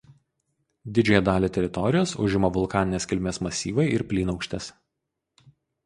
Didžiąją dalį teritorijos užima vulkaninės kilmės masyvai ir plynaukštės.